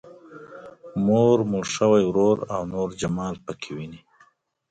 مور، مړ شوی ورور او نور جمال پکې ويني.